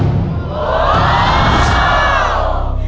บรรชาว